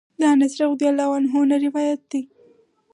د انس رضی الله عنه نه روايت دی: